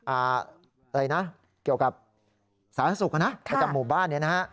อะไรนะเกี่ยวกับสาธารณสุขนะประจำหมู่บ้านเนี่ยนะฮะ